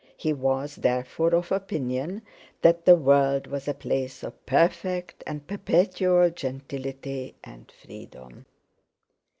He was therefore of opinion that the world was a place of perfect and perpetual gentility and freedom.